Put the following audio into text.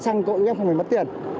xăng cội chúng em không phải mất tiền